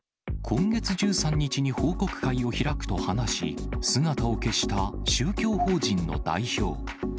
今月１３日に報告会を開くと話し、姿を消した宗教法人の代表。